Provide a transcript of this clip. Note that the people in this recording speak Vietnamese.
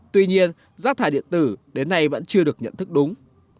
tuy nhiên rác thải điện tử đến nay vẫn chưa được nhận thức đúng